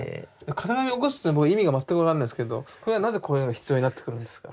型紙を起こすって意味が全く分かんないですけどこれはなぜこういうのが必要になってくるんですか？